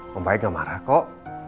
mumpahnya gak marah kok